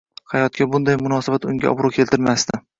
Hayotga bunday munosabat, unga obro‘ keltirmasdi.